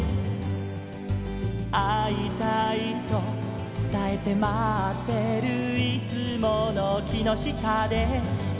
「会いたいとつたえて待ってるいつもの木の下で」